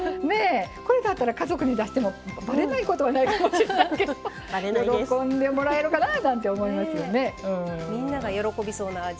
これだったら家族に出してもばれないことはないと思いますけど喜んでもらえるかななんてみんなが喜びそうな味。